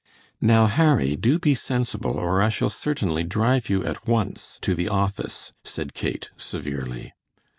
"Now, Harry, do be sensible, or I shall certainly drive you at once to the office," said Kate, severely.